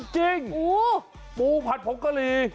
จริงปูผัดผงกะหรี่